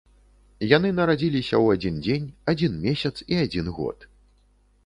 Яны нарадзіліся ў адзін дзень, адзін месяц і адзін год.